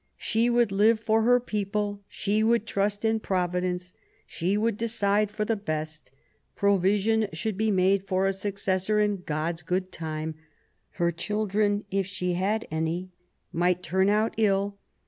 She would live for her people ; she would trust in Providence ; she would decide for the best ; provision should be made for a successor in God's good time ; her children, if she had any, might turn out ill.